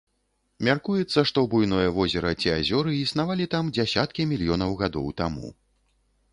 Мяркуецца, што буйное возера ці азёры існавалі там дзясяткі мільёнаў гадоў таму.